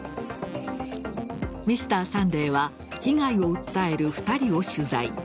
「Ｍｒ．サンデー」は被害を訴える２人を取材。